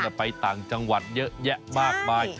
ไปต่างจังหวัดเยอะแยะมากมาย